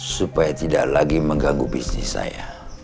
supaya tidak lagi mengganggu bisnis saya